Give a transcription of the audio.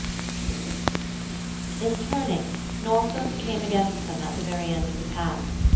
V In turning, Norfolk came against them at the very end of the path.